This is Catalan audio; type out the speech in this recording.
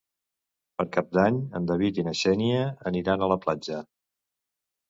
Per Cap d'Any en David i na Xènia aniran a la platja.